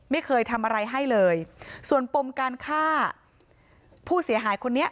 ไม่เคยทำอะไรให้เลยส่วนปมการฆ่าผู้เสียหายคนนี้